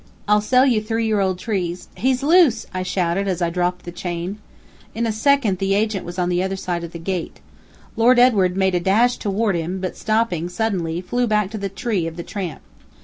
I'll sell you three year old trees " "He's loose!" I shouted, as I dropped the chain. In a second the agent was on the other side of the gate. Lord Edward made a dash toward him; but, stopping suddenly, flew back to the tree of the tramp.